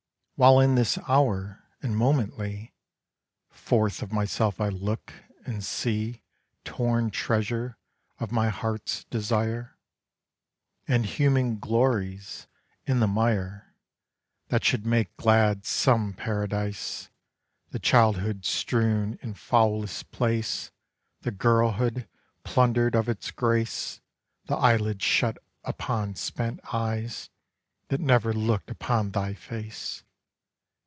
While in this hour, and momently, Forth of myself I look, and see Torn treasure of my heart's Desire; And human glories in the mire, That should make glad some paradise! The childhood strewn in foulest place, The girlhood, plundered of its grace; The eyelids shut upon spent eyes That never looked upon thy face!